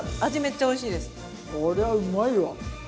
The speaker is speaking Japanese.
こりゃうまいわ。